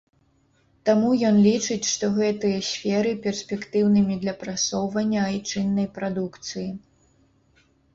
Таму ён лічыць, што гэтыя сферы перспектыўнымі для прасоўвання айчыннай прадукцыі.